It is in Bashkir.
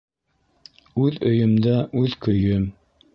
Үҙ өйөмдә үҙ көйөм.